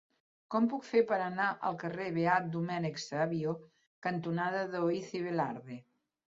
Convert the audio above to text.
Com ho puc fer per anar al carrer Beat Domènec Savio cantonada Daoíz i Velarde?